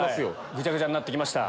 ぐちゃぐちゃになってきました。